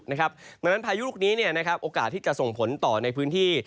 ดังนั้นพายุลูกนี้โอกาสที่จะส่งผลต่อในพื้นที่